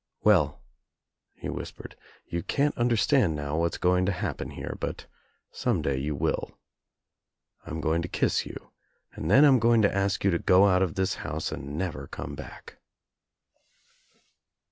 "Well," he whispered, "you can't understand now what's going to happen here but some day you will. I'm going to kiss you and then I'm going to ask you to go out of this house and never come back."